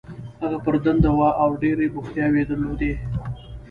هغه پر دنده وه او ډېرې بوختیاوې یې درلودې.